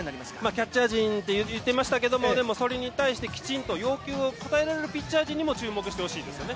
キャッチャー陣と行っていましたけど、それに対してきちんと要求を応えられるピッチャー陣にも注目してほしいですよね。